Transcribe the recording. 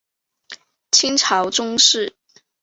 清朝宗室。